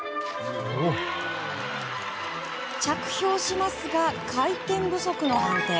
着氷しますが回転不足の判定。